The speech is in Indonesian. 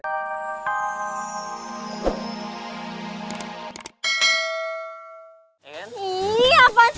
ih apaan sih